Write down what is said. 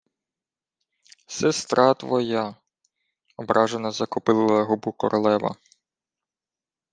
— Сестра твоя... — ображено закопилила губу королева.